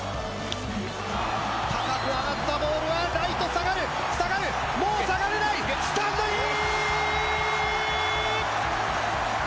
高く上がったボールはライトが下がるもう下がらないスタンドイン！